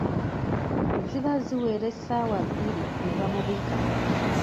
Ziba ziwera essaawa bbiri ne bamubika.